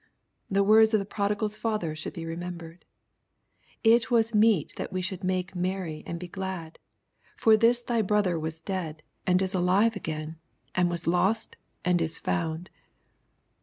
The words of the prodigal's father should be remembered :—'^ It was meet that we should make merry and be glad : for this thy brother was dead, and is alive again ; and was lost, and is found."